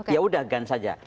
ya udah gun saja